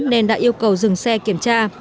nên đã yêu cầu dừng xe kiểm tra